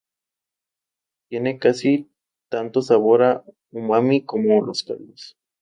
Contiene casi tanto sabor a umami como los caldos.